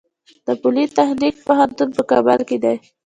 د پولي تخنیک پوهنتون په کابل کې دی